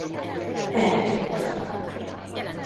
El tudtak.